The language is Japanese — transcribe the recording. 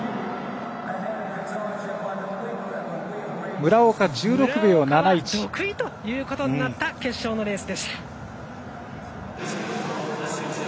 村岡は６位ということになった決勝のレースでした。